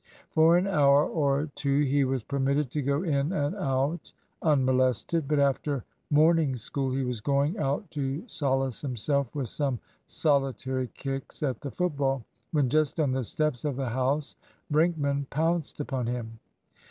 For an hour of two he was permitted to go in and out unmolested. But after morning school, he was going out to solace himself with some solitary kicks at the football, when just on the steps of the house Brinkman pounced upon him.